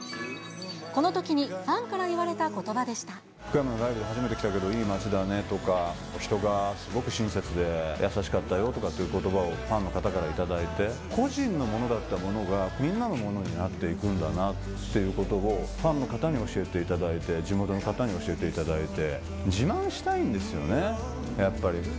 このときにファンから言われたこ福山、ライブで初めて来たけど、いい街だねとか、人がすごく親切で、優しかったよっていうことばを、ファンの方から頂いて、個人のものだったものが、みんなのものになっていくんだなっていうことを、ファンの方に教えていただいて、地元の方に教えていただいて、自慢したいんですよね、やっぱり。